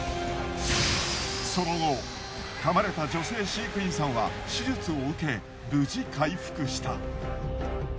その後かまれた女性飼育員さんは手術を受け無事回復した。